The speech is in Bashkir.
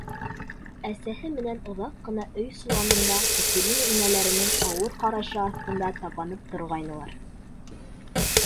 Әсәһе менән оҙаҡ ҡына өй соланында Катерина инәләренең ауыр ҡарашы аҫтында тапанып торғайнылар.